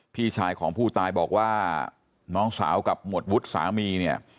พี่ชายของผู้ตายบอกว่าน้องสาวกับหมวดวุฒิสามีเนี่ย